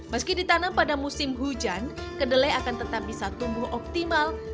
meski ditanam pada musim hujan kedelai akan tetap bisa tumbuh optimal